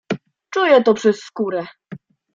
"Czuję to przez skórę."